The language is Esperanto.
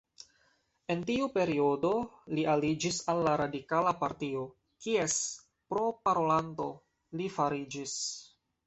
En tiu periodo, li aliĝis al la Radikala Partio, kies proparolanto li fariĝis.